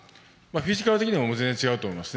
フィジカル的にも全然違うと思います。